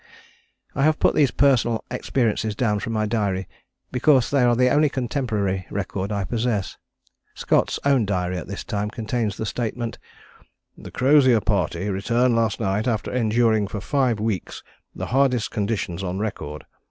" I have put these personal experiences down from my diary because they are the only contemporary record I possess. Scott's own diary at this time contains the statement: "The Crozier party returned last night after enduring for five weeks the hardest conditions on record.